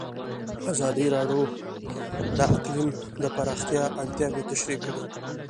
ازادي راډیو د اقلیم د پراختیا اړتیاوې تشریح کړي.